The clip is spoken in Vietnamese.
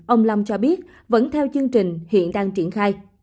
ông lâm cho biết vẫn theo chương trình hiện đang triển khai